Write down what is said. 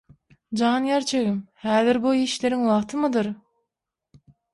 - Jan gerçegim, häzir bu işleriň wagtymydyr?